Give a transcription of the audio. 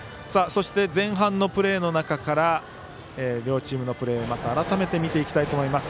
前半のプレーの中から両チームのプレー改めて見ていきたいと思います。